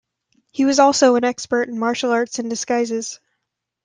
He was also an expert in martial arts and disguises.